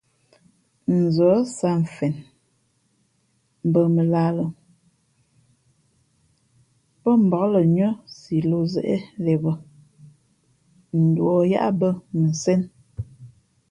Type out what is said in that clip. Nzα̌ sǎt mfen mbαmαlahā lά pά mbǎk lα nʉ́ά si lō zeʼê le bα nduα yáʼ bᾱ mʉnsēn.